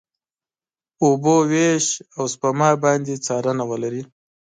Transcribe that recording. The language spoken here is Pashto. اوبو وېش، او سپما باندې څارنه ولري.